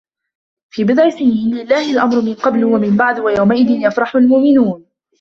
في بِضعِ سِنينَ لِلَّهِ الأَمرُ مِن قَبلُ وَمِن بَعدُ وَيَومَئِذٍ يَفرَحُ المُؤمِنونَ